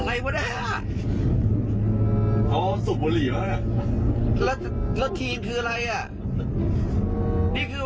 เฮ้ยขวัญเออรู้จักเหรอเห็นคือบกมือให้เองอ่ะ